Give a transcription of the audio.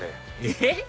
えっ⁉